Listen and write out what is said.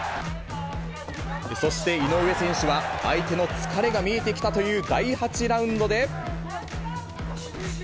そして、井上選手は、相手の疲れが見えてきたという第８ラウンドで。